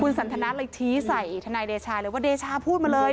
สันทนาเลยชี้ใส่ทนายเดชาเลยว่าเดชาพูดมาเลย